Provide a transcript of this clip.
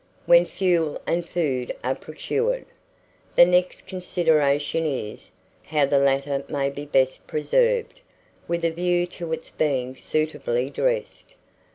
WHEN FUEL AND FOOD ARE PROCURED, the next consideration is, how the latter may be best preserved, with a view to its being suitably dressed.